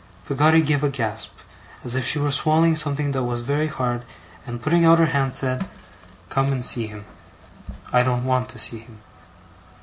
Peggotty gave a gasp, as if she were swallowing something that was very hard, and, putting out her hand, said: 'Come and see him.' 'I don't want to see him.